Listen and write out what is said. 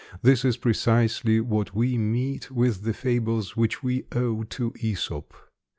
This is precisely what we meet with in the fables which we owe to Æsop.